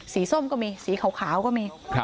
สีส้มก็มีสีเขาขาวก็มี